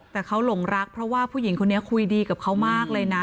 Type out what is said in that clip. แต่เขาหลงรักเพราะว่าผู้หญิงคนนี้คุยดีกับเขามากเลยนะ